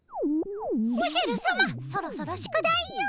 おじゃるさまそろそろ宿題を！